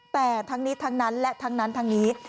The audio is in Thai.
แต่ทั้งนี้ทั้งนั้นและทั้งนั้นทั้งนี้